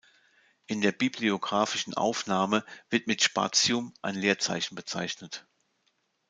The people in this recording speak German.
In der bibliographischen Aufnahme wird mit „Spatium“ ein Leerzeichen bezeichnet.